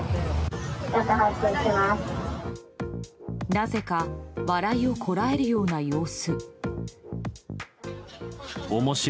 なぜか笑いをこらえるような様子。